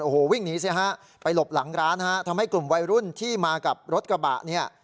โอ้โหวิ่งหนีสิฮะไปหลบหลังร้านฮะทำให้กลุ่มวัยรุ่นที่มากับรถกระบะเนี่ย